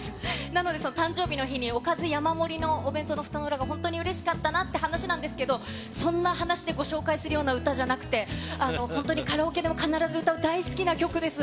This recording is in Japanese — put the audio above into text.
なので、誕生日の日におかず山盛りのお弁当のふたの裏が本当にうれしかったなっていう話なんですけど、そんな話でご紹介するような歌じゃなくて、本当にカラオケでも必ず歌う大好きな曲です。